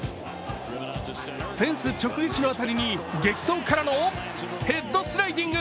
フェンス直撃の当たりに激走からのヘッドスライディング！